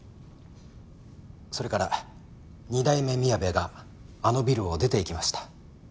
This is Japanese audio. それから二代目みやべがあのビルを出ていきました。